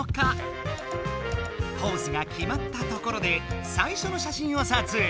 ポーズがきまったところでさいしょのしゃしんをさつえい！